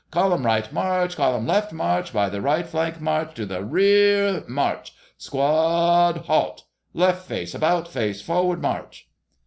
Column right, march! Column left, march! By the right flank, march! To the re ar r r, march! Squa a ad, halt! Left, face! About, face! Forward, march!"